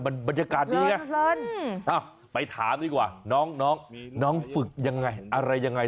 บรรยากาศดีไงไปถามดีกว่าน้องน้องฝึกยังไงอะไรยังไง